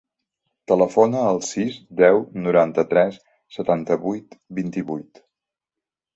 Telefona al sis, deu, noranta-tres, setanta-vuit, vint-i-vuit.